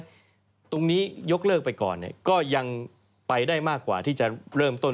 ตรงนี้ยกเลิกไปก่อนก็ยังไปได้มากกว่าที่จะเริ่มต้น